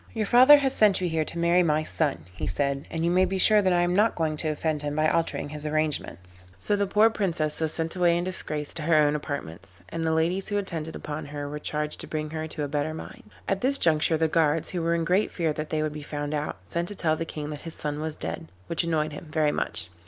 'Your father has sent you here to marry my son,' he said, 'and you may be sure that I am not going to offend him by altering his arrangements.' So the poor Princess was sent away in disgrace to her own apartments, and the ladies who attended upon her were charged to bring her to a better mind. At this juncture the guards, who were in great fear that they would be found out, sent to tell the King that his son was dead, which annoyed him very much.